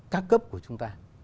các cấp của chúng ta